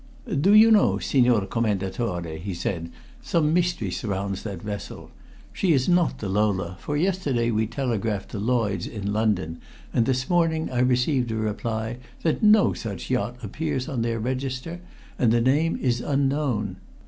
"Do you know, Signor Commendatore," he said, "some mystery surrounds that vessel. She is not the Lola, for yesterday we telegraphed to Lloyd's, in London, and this morning I received a reply that no such yacht appears on their register, and that the name is unknown.